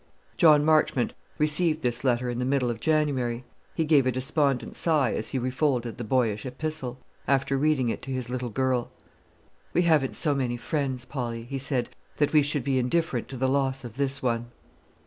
John Marchmont received this letter in the middle of January. He gave a despondent sigh as he refolded the boyish epistle, after reading it to his little girl. "We haven't so many friends, Polly," he said, "that we should be indifferent to the loss of this one."